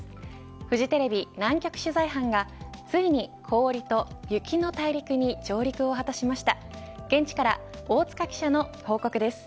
フジテレビ南極取材班がついに氷と雪の大陸に上陸を果たしました。